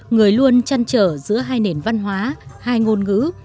người luôn chăn trở giữa hai nền văn hóa hai ngôn ngữ